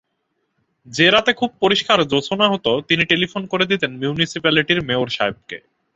যে-রাতে খুব পরিষ্কার জোছনা হত, তিনি টেলিফোন করে দিতেন মিউনিসিপ্যালিটির মেয়র সাহেবকে।